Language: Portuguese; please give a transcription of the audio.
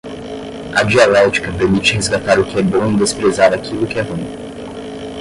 A dialética permite resgatar o que é bom e desprezar aquilo que é ruim